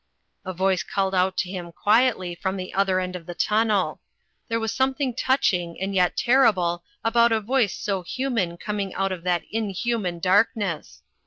A voice called out to him quietly from the other end of the tunnel. There was something touching and yet terrible about a voice so human coming out of that inhuman darkness.